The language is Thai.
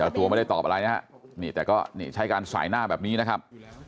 ตัวไม่ได้ตอบอะไรนะฮะนี่แต่ก็นี่ใช้การสายหน้าแบบนี้นะครับ